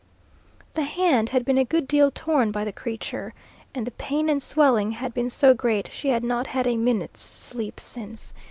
The hand had been a good deal torn by the creature, and the pain and swelling had been so great she had not had a minute's sleep since.